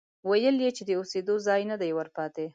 ويل يې چې د اوسېدو ځای نه دی ورپاتې،